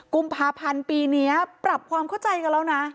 กุมภาพันธ์ปีนี้ปรับความเข้าใจกันแล้วนะ